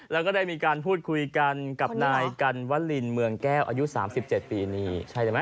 แล้วก็ได้มีการพูดคุยกันกับนายกันวลินเมืองแก้วอายุ๓๗ปีนี่ใช่ไหม